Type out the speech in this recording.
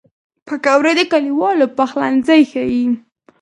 پکورې د کلیوالو پخلنځی ښيي